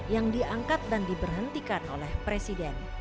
yang diangkat dan diberhentikan oleh presiden